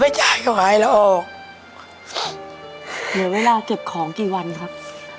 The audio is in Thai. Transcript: แต่ไม่จ่ายเขาหายเราออกเหลือเวลาเก็บของกี่วันครับ